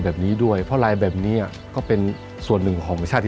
แบบนี้ด้วยเพราะลายแบบนี้ก็เป็นส่วนหนึ่งของชาติ